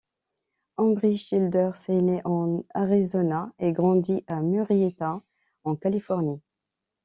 Ambyr Childers est née en Arizona, et grandit à Murrieta en Californie.